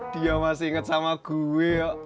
dia masih ingat sama gue